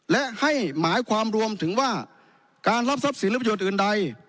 และให้หมายความรวมถึงว่าการรับทรัพย์สินหรือประโยชน์อื่นใด